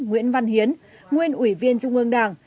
nguyễn văn hiến nguyên ủy viên trung ương đảng